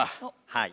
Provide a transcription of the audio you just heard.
はい。